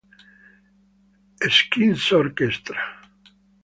Shinzō Orchestra